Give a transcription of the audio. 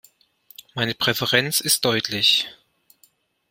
Meine Präferenz ist deutlich.